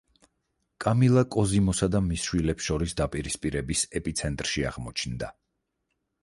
კამილა კოზიმოსა და მის შვილებს შორის დაპირისპირების ეპიცენტრში აღმოჩნდა.